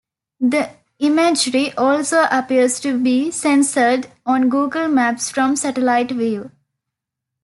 The imagery also appears to be censored on google maps from satellite view.